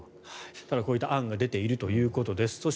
ただ、こういった案が出ているということです。